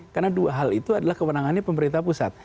karena dua hal itu adalah kewenangannya pemerintah pusat